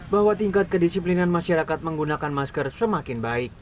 bahwa tingkat kedisiplinan masyarakat menggunakan masker semakin baik